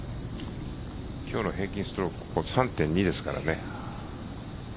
今日の平均ストローク３．２ですからね。